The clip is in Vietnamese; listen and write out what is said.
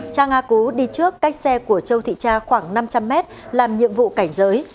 trang a cú đi trước cách xe của châu thị tra khoảng năm trăm linh m làm nhiệm vụ cảnh giới